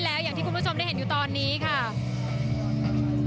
ภาพที่คุณผู้ชมเห็นอยู่นี้นะคะบรรยากาศหน้าเวทีตอนนี้เริ่มมีผู้แทนจำหน่ายไปจับจองพื้นที่